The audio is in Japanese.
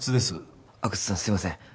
すいません